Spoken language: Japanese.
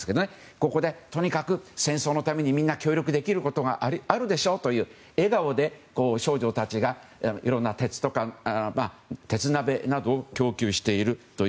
ここでとにかく戦争のために協力できることがあるでしょうと笑顔で少女たちが鉄鍋などを供給しているという。